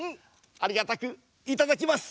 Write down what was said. ありがたくいただきます！